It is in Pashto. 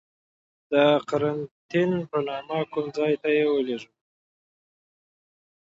د قرنتین په نامه کوم ځای ته یې ولیږلو.